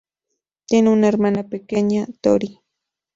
Tiene una hermana pequeña, Tori.